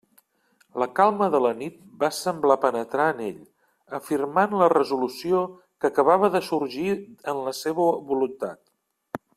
La calma de la nit va semblar penetrar en ell, afirmant la resolució que acabava de sorgir en la seua voluntat.